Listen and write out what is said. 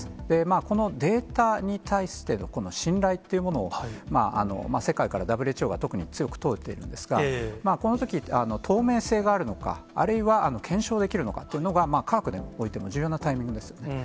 このデータに対しての信頼というものを、世界からＷＨＯが特に強く問うているんですが、このとき、透明性があるのか、あるいは検証できるのかというのが、科学においても重要なタイミングですよね。